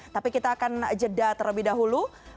tapi kita akan jeda terlebih dahulu